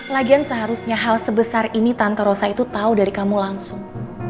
lagian seharusnya hal sebesar ini tanto rosa itu tahu dari kamu langsung